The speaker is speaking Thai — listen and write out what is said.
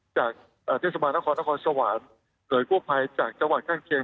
จากเทศบาลนครนครสวรรค์หน่วยกู้ภัยจากจังหวัดข้างเคียง